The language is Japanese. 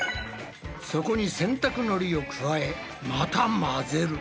そこに洗濯のりを加えまた混ぜる。